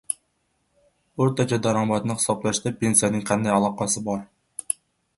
O`rtacha daromadni hisoblashda pensiyaning qanday aloqasi bor?